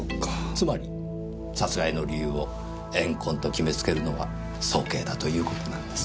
つまり殺害の理由を怨恨と決めつけるのは早計だという事なんです。